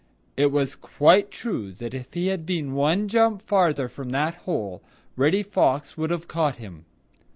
It was quite true that if he had been one jump farther from that hole, Reddy Fox would have caught him.